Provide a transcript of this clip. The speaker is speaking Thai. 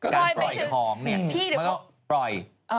การปล่อยคอมนี่ไม่ต้องปล่อย